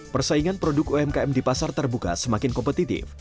persaingan produk umkm di pasar terbuka semakin kompetitif